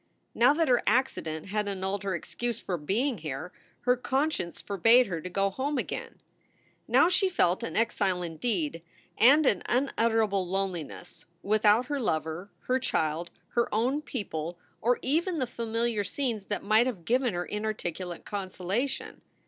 Now that her accident had annulled her excuse for being here, her conscience forbade her to go home again. Now she felt an exile indeed, and an unutterable loneli ness, without her lover, her child, her own people, or even the familiar scenes that might have given her inarticulate consolation.